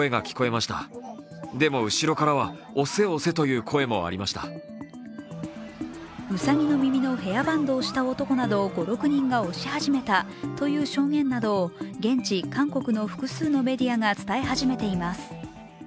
うさぎの耳のヘアバンドをした男など５６人が押し始めたという証言などを現地・韓国の複数のメディアが伝え始めています。